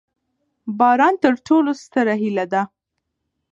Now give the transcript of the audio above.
باران تر ټولو ستره هیله ده.